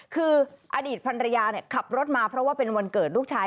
คืออดีตพันรยาขับรถมาเพราะว่าเป็นวันเกิดลูกชาย